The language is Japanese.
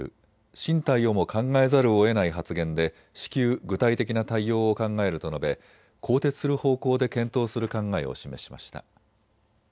進退をも考えざるをえない発言で至急、具体的な対応を考えると述べ更迭する方向で検討する考えを示しました。